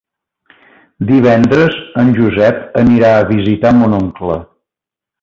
Divendres en Josep anirà a visitar mon oncle.